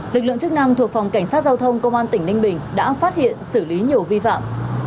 lực lượng chức năng thuộc phòng cảnh sát giao thông công an tỉnh ninh bình đã phát hiện xử lý nhiều vi phạm